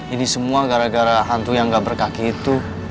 ini semua gara gara hantu yang gak berkaki itu